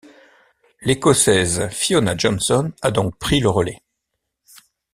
L'Écossaise Fiona Johnson a donc pris le relais.